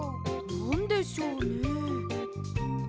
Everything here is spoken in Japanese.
なんでしょうね？